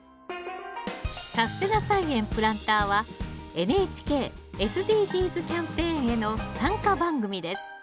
「さすてな菜園プランター」はＮＨＫ・ＳＤＧｓキャンペーンへの参加番組です。